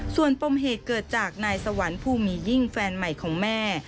ส่วนปมเหตุเกิดจากนายสวรรค์ผู้มียิ่งแฟนใหม่ของแม่